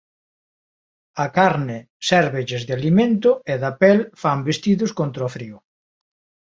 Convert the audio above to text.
A carne sérvelles de alimento e da pel fan vestidos contra o frío.